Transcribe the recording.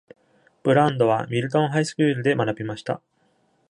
ブランドはミルトンハイスクールで学びました。